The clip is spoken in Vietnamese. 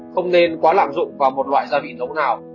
không nên quá lạm dụng vào một loại gia vị giống nào